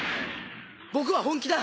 僕は本気だ！